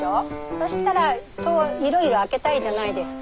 そしたら戸をいろいろ開けたいじゃないですか。